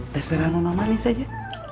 terserah nona mari saja